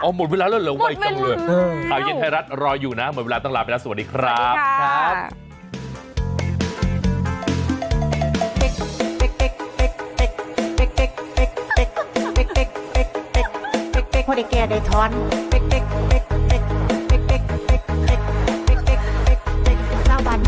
หมดเวลาเร็วอีกจังเลยข่าวเย็นไทยรัฐรออยู่นะหมดเวลาตั้งหลับสวัสดีครับ